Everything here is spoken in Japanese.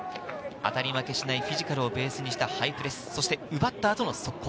当たり負けしないフィジカルをベースにしたハイプレス、そして奪った後の速攻。